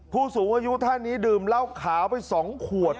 ผู้สูงอายุท่านนี้ดื่มเหล้าขาวไป๒ขวด